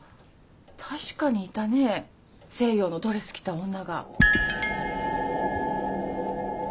確かにいたね西洋のドレス着た女が。